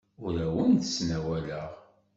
Ur awen-d-ttnawaleɣ.